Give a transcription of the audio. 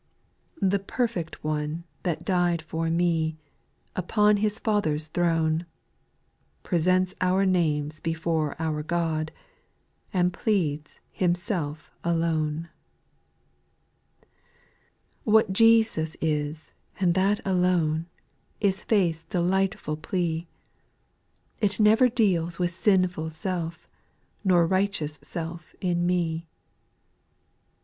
The perfect One that died for me, Up(m His Father's throne, Presents our names before our God, And pleads Himself alone. 6. What Jesus is, and that alone, Is faith's delightful plea ; It never deals with sinful self. Nor righteous self, in me.